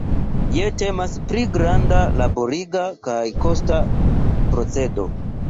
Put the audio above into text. Ja temas pri granda, laboriga kaj kosta procedo.